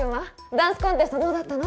ダンスコンテストどうだったの？